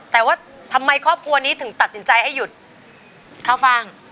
แต่ว่าทำไมครอบครัวนี้ถึงตัดสินใจให้หยุดเข้าฟ่าง